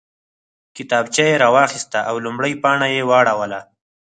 کتابچه یې راواخیسته او لومړۍ پاڼه یې واړوله